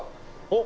お！